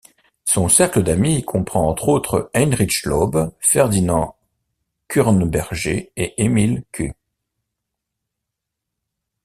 Son cercle d'amis comprend, entre autres, Heinrich Laube, Ferdinand Kürnberger et Emil Kuh.